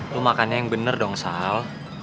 lo makannya yang bener dong sal